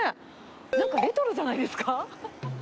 なんかレトロじゃないですか。